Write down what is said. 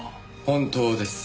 本当です。